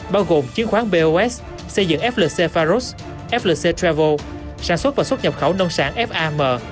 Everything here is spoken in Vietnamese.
bao gồm chiến khoán bos xây dựng flc faros flc travo sản xuất và xuất nhập khẩu nông sản fam